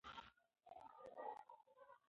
که سلطنت اصلاح شوی وای، تاريخ به بدل شوی وای.